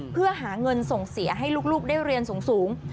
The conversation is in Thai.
เพื่อหาเงินส่งเสียให้ลูกได้เรียนสูง